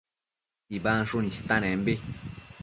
tsibansshun istanembi